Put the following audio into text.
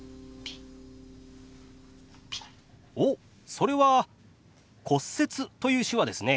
おっそれは「骨折」という手話ですね。